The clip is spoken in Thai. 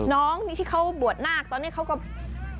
น้องที่เขาบวชหน้าตอนนี้เขาก็เป็นคนรุ่นใหม่